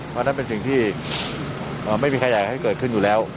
เพราะฉะนั้นเป็นสิ่งที่ไม่มีใครอยากให้เกิดขึ้นอยู่แล้ว